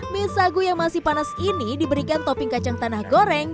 mie sagu yang masih panas ini diberikan topping kacang tanah goreng